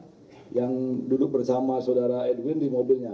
dan itu adalah wanita yang duduk bersama saudara edwin di mobilnya